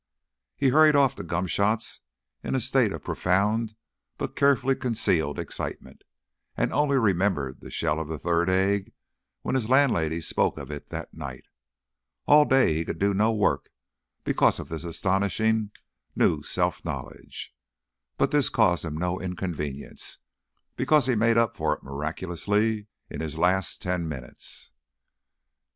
He hurried off to Gomshott's in a state of profound but carefully concealed excitement, and only remembered the shell of the third egg when his landlady spoke of it that night. All day he could do no work because of this astonishingly new self knowledge, but this caused him no inconvenience, because he made up for it miraculously in his last ten minutes.